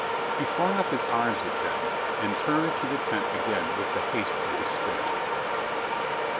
He flung up his arms at them and turned to the tent again with the haste of despair.